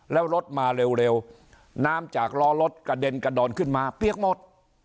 แล้วรถมาเร็วน้ำจากล้อรถกระเด็นกระดอนขึ้นมาเปี๊ยกหมด